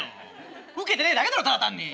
ウケてねえだけだろただ単に。